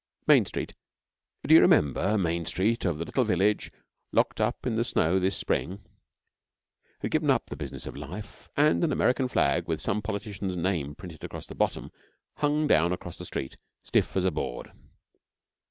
Main Street do you remember Main Street of a little village locked up in the snow this spring? had given up the business of life, and an American flag with some politician's name printed across the bottom hung down across the street as stiff as a board.